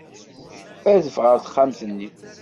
Adef ɣer texxamt-nni.